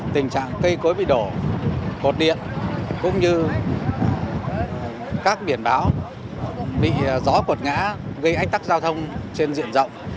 tình trạng cây cối bị đổ cột điện cũng như các biển báo bị gió cuột ngã gây ách tắc giao thông trên diện rộng